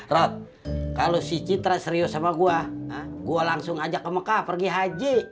rod kalau si citra serius sama gue gue langsung ajak ke mekah pergi haji